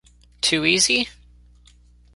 Too easy?